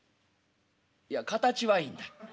「いや形はいいんだ。